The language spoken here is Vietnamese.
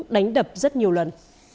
đánh đập rất nhiều lần